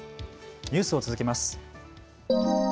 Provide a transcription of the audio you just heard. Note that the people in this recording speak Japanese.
ニュースを続けます。